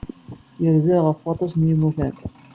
Yerza ɣef waṭas n yimukan.